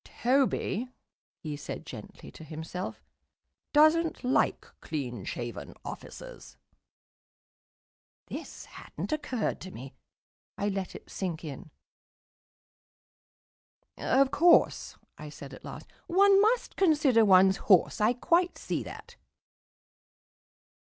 "Toby," he said gently to himself, "doesn't like clean shaven officers." This hadn't occurred to me; I let it sink in. "Of course," I said at last, "one must consider one's horse. I quite see that."